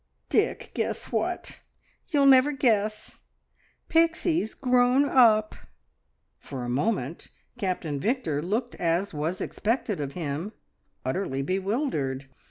"Dick, guess what! You'll never guess! Pixie's grown up!" For a moment Captain Victor looked as was expected of him utterly bewildered.